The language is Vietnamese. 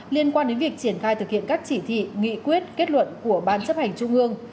liên quan đến việc triển khai thực hiện các chỉ thị nghị quyết kết luận của ban chấp hành trung ương